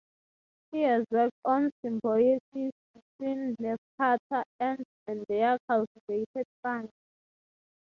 He has worked on the symbiosis between leafcutter ants and their cultivated fungi.